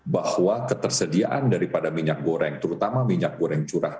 bahwa ketersediaan daripada minyak goreng terutama minyak goreng curah